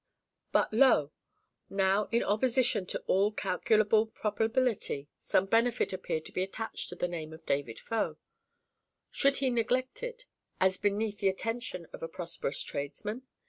But lo! now, in opposition to all calculable probability, some benefit appeared to be attached to the name of David Faux. Should he neglect it, as beneath the attention of a prosperous tradesman?